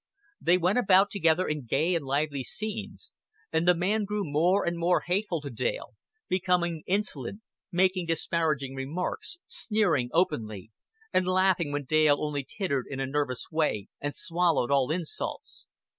They went about together in gay and lively scenes, and the man grew more and more hateful to Dale becoming insolent, making disparaging remarks, sneering openly; and laughing when Dale only tittered in a nervous way and swallowed all insults.